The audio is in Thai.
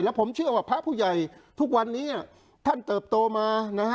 ผมเชื่อว่าพระผู้ใหญ่ทุกวันนี้ท่านเติบโตมานะฮะ